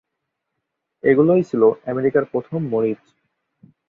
এগুলোই ছিল আমেরিকার প্রথম মরিচ।